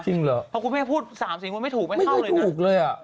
จริงเหรอเพราะคุณแม่พูด๓สินคุณไม่ถูกไม่เข้าเลยนะไม่ถูกเลยอะ